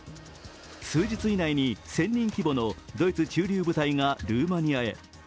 数日以内に１０００人規模のドイツ駐留部隊がルーマニアへ。